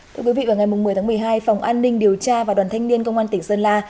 thưa quý vị vào ngày một mươi tháng một mươi hai phòng an ninh điều tra và đoàn thanh niên công an tỉnh sơn la